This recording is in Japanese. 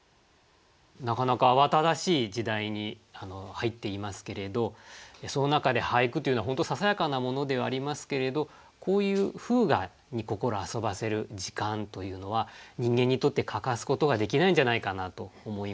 なかなか慌ただしい時代に入っていますけれどその中で俳句というのは本当ささやかなものではありますけれどこういう風雅に心遊ばせる時間というのは人間にとって欠かすことができないんじゃないかなと思います。